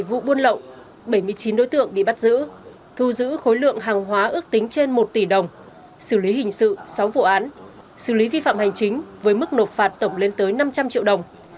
bảy mươi vụ buôn lậu bảy mươi chín đối tượng bị bắt giữ thu giữ khối lượng hàng hóa ước tính trên một tỷ đồng xử lý hình sự sáu vụ án xử lý vi phạm hành chính với mức nộp phạt tổng lên tới năm trăm linh triệu đồng